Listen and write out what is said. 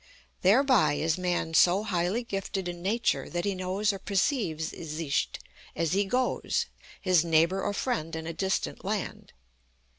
Thereby is man so highly gifted in Nature that he knows or perceives (sicht), as he goes, his neighbor or friend in a distant land.